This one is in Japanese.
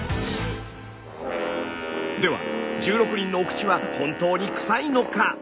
では１６人のお口は本当に臭いのか？